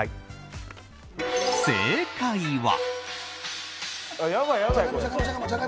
正解は。